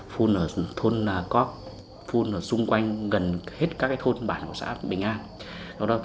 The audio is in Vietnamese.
phun ở thôn cóc phun ở xung quanh gần hết các cái thôn bản của xã bình an